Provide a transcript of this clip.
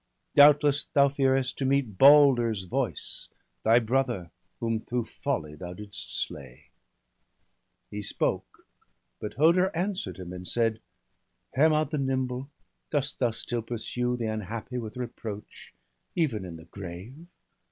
Doubtless thou fearest to meet Balder's voice, Thy brother, whom through folly thou didst slay.' 1 82 BALDER DEAD. He spoke; but Hoder answer'd him, and said: — 'Hermod the nimble, dost thou still pursue The unhappy with reproach, even in the grave?